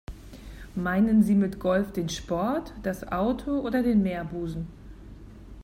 Meinen Sie mit Golf den Sport, das Auto oder den Meerbusen?